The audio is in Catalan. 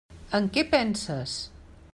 En què penses?